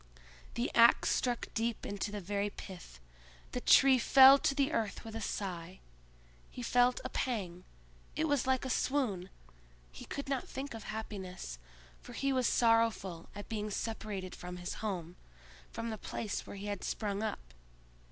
The ax struck deep into the very pith; the tree fell to the earth with a sigh: he felt a pang—it was like a swoon; he could not think of happiness, for he was sorrowful at being separated from his home, from the place where he had sprung up.